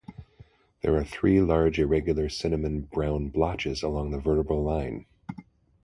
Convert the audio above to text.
There are three large irregular cinnamon brown blotches along the vertebral line.